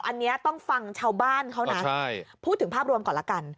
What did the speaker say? อันนี้ต้องฟังชาวบ้านเขานะพูดถึงภาพรวมก่อนละกัน